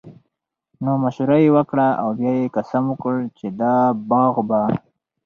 نو مشوره ئي وکړه، او بيا ئي قسم وکړو چې دا باغ به